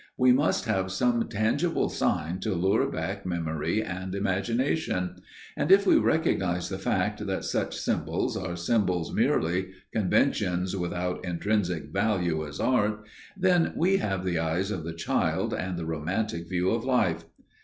We must have some tangible sign to lure back memory and imagination, and if we recognize the fact that such symbols are symbols merely, conventions without intrinsic value as art, then we have the eyes of the child and the romantic view of life.